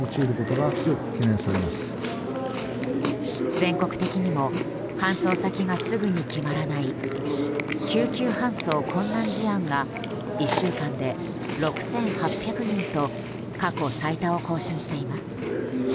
全国的にも搬送先がすぐに決まらない救急搬送困難事案が１週間で６８００人と過去最多を更新しています。